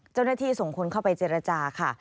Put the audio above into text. เจ้าหน้าที่ส่งคนเข้าไปเจรจาค่ะ